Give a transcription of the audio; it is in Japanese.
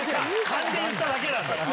勘で言っただけなんだから。